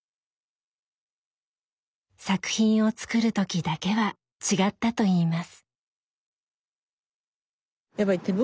作品を作る時だけは違ったといいます。